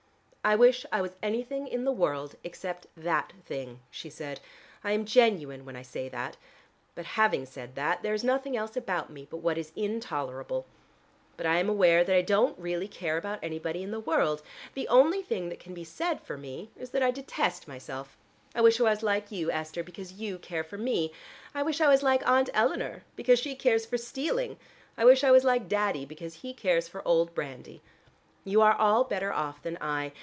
"I wish I was anything in the world except that thing," she said. "I am genuine when I say that, but having said that there is nothing else about me but what is intolerable. But I am aware that I don't really care about anybody in the world. The only thing that can be said for me is that I detest myself. I wish I was like you, Esther, because you care for me: I wish I was like Aunt Eleanor because she cares for stealing. I wish I was like Daddy because he cares for old brandy. You are all better off than I.